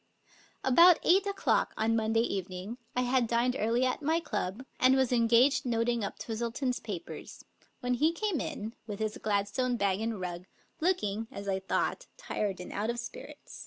About eight o'clock on Monday eve"'.ng I had dined early at my club, and was engaged noting up Twistle ton's papers, when he came in, with hi' Gladstone bag and rug, looking, as I thought, tired and out of spirits.